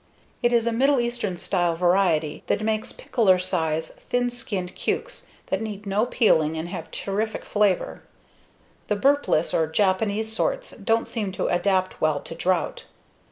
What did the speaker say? It is a Middle Eastern[ ]style variety that makes pickler size thin skinned cukes that need no peeling and have terrific flavor. The burpless or Japanese sorts don't seem to adapt well to drought.